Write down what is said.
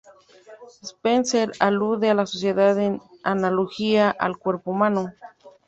Spencer alude a la sociedad en analogía al cuerpo humano.